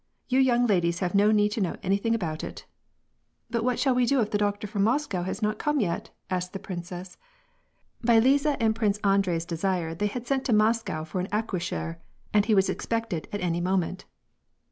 "You young ladies have no need to know anything about it." " But what shall we do if the doctor from Moscow has not come yet ?" asked the princess. By Liza and Prince Andrei's desire they had sent to Moscow for an accoucheur^ and he was expected at any moment.